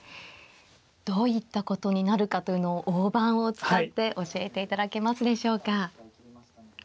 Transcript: どういったことになるかというのを大盤を使って教えていただけますでしょうか。